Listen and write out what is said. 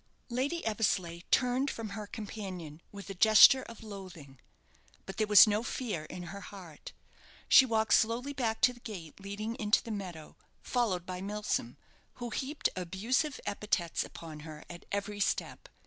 Lady Eversleigh turned from her companion with a gesture of loathing. But there was no fear in her heart. She walked slowly back to the gate leading into the meadow, followed by Milsom, who heaped abusive epithets upon her at every step.